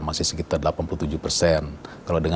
masih sekitar delapan puluh tujuh persen